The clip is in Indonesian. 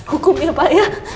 hukum ya pak ya